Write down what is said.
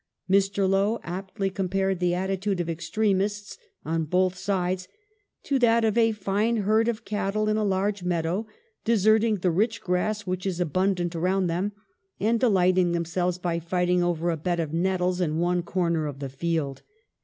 Mr. Lowe aptly compared the attitude of extremists (on both sides) to that of "a fine herd o£ cattle in a large meadow deserting the rich grass which is abundant around them, and delighting them selves by fighting over a bed of nettles in one corner of the field